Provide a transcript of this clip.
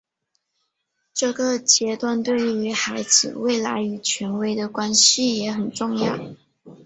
这个阶段对于孩子未来与权威的关系也很重要。